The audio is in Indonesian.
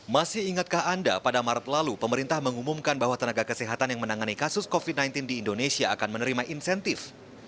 masih ingatkah anda pada maret lalu pemerintah mengumumkan bahwa tenaga kesehatan yang menangani kasus covid sembilan belas di indonesia akan menerima insentif